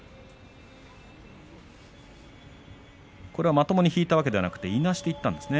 まともに引いたわけではなくいなしていったんですね。